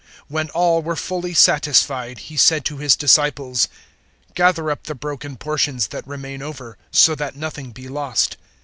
006:012 When all were fully satisfied, He said to His disciples, "Gather up the broken portions that remain over, so that nothing be lost."